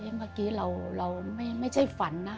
เมื่อกี้เราไม่ใช่ฝันนะ